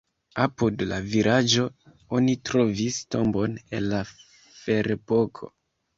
Apud la vilaĝo oni trovis tombon el la ferepoko.